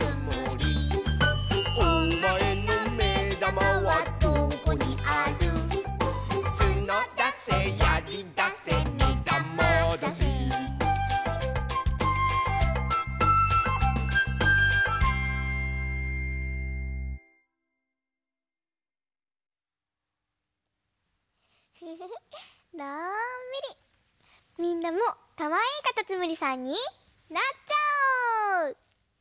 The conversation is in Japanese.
みんなもかわいいかたつむりさんになっちゃおう！